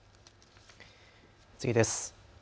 次です。